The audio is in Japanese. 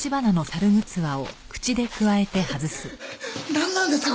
なんなんですか？